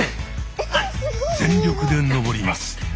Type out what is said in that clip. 全力で登ります。